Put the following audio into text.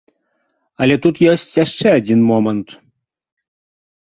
Але тут ёсць яшчэ адзін момант.